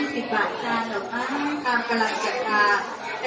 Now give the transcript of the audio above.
สวัสดีครับ